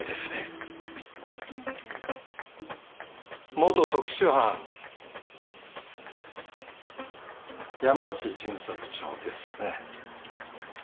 元特殊班山内巡査部長ですよね？